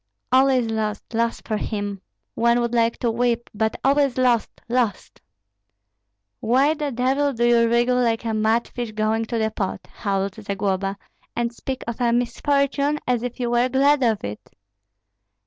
All is lost, lost for him! One would like to weep, but all is lost, lost!" "Why the devil do you wriggle like a mudfish going to the pot," howled Zagloba, "and speak of a misfortune as if you were glad of it?"